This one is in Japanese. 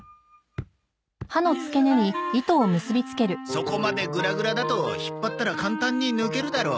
そこまでグラグラだと引っ張ったら簡単に抜けるだろ。